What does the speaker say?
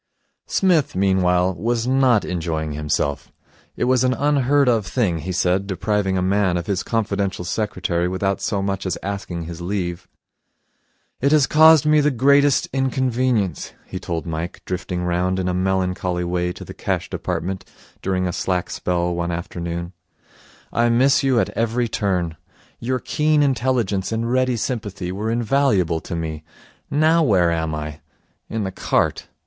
Psmith, meanwhile, was not enjoying himself. It was an unheard of thing, he said, depriving a man of his confidential secretary without so much as asking his leave. 'It has caused me the greatest inconvenience,' he told Mike, drifting round in a melancholy way to the Cash Department during a slack spell one afternoon. 'I miss you at every turn. Your keen intelligence and ready sympathy were invaluable to me. Now where am I? In the cart.